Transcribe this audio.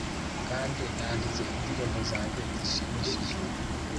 Kandi nanditse indirimbo zanjye zishimishije